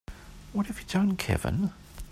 What have you done Kevin?